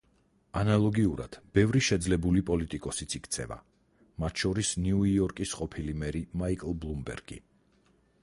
ანალოგიურად ბევრი შეძლებული პოლიტიკოსიც იქცევა, მათ შორის ნიუ იორკის ყოფილი მერი მაიკლ ბლუმბერგი.